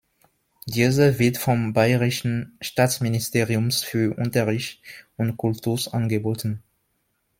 Diese wird vom bayerischen Staatsministeriums für Unterricht und Kultus angeboten.